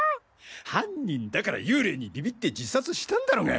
犯人だから幽霊にビビって自殺したんだろが。